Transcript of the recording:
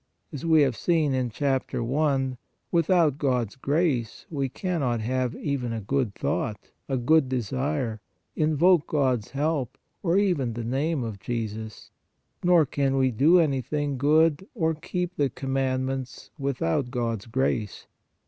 As we have seen in Chapter I, without God s grace we cannot have even a good thought, a good desire, invoke God s help or even the name of Jesus, nor can we do anything good or keep the command ments without God s grace.